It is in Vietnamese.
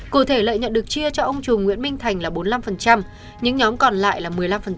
cụ thể lợi nhận được chia cho ông trù nguyễn minh thành là bốn mươi năm những nhóm còn lại là một mươi năm